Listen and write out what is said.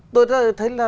tôi thấy là